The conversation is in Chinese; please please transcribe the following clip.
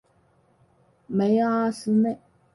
梅阿斯内。